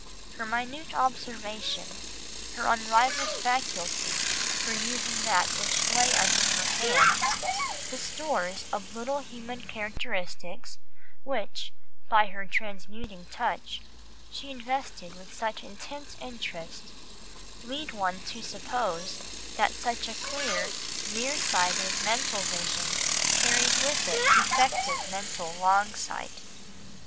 Her minute observation, her unrivalled faculty for using that which lay under her hand, the stores of little human characteristics which, by her transmuting touch, she invested with such intense interest, lead one to suppose that such a clear, near sighted mental vision carried with it defective mental long sight.